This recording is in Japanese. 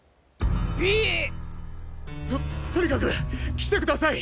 ええっ！？ととにかく来てください！